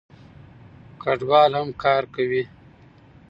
کډوال هم کار کوي.